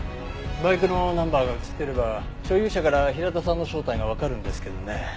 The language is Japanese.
バイクのナンバーが映ってれば所有者から平田さんの正体がわかるんですけどね。